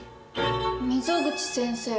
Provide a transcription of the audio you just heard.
溝口先生。